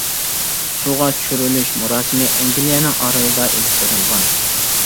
سۇغا چۈشۈرۈلۈش مۇراسىمى ئەنگلىيەنىڭ ئارىلىدا ئېلىپ بېرىلغان.